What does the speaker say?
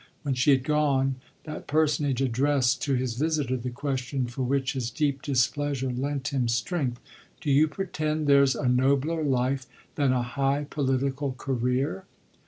When she had gone that personage addressed to his visitor the question for which his deep displeasure lent him strength. "Do you pretend there's a nobler life than a high political career?"